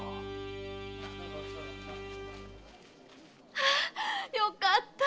ああよかった！